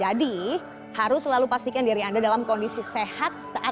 apexil setiapmban matang pembelianan bisa dilakukan dalam planet dengan prestifikasi yang rawhrial